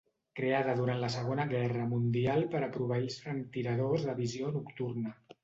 Creada durant la Segona Guerra Mundial per a proveir als franctiradors de visió nocturna.